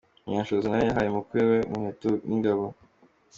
Munyanshoza nawe yahaye umukwe we umuheto n’ingabo.